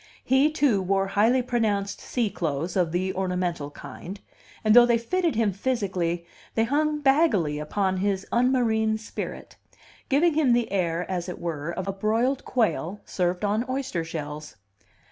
He, too, wore highly pronounced sea clothes of the ornamental kind; and though they fitted him physically, they hung baggily upon his unmarine spirit; giving him the air, as it were, of a broiled quail served on oyster shells.